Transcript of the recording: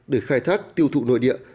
để khai thác tiêu thụ nội địa